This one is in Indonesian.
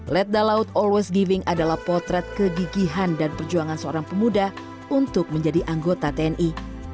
letda laut always giving adalah potret kegigihan dan perjuangan seorang pemuda untuk menjadi anggota tni